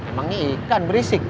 emangnya ikan berisik